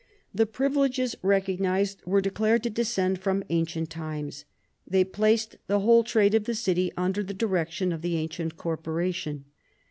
The privileges recognised were declared to descend from ancient times. They placed the whole trade of the city under the direction of the ancient corporation.